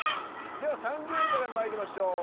では３０位からまいりましょう。